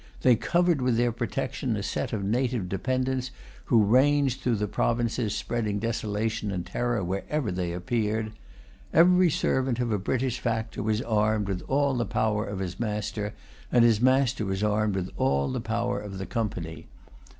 They covered with their protection a set of native dependants who ranged through the provinces, spreading desolation and terror wherever they appeared. Every servant of a British factor was armed with all the power of his master; and his master was armed with all the power of the Company.